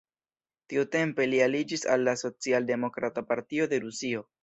Tiutempe li aliĝis al la Socialdemokrata Partio de Rusio.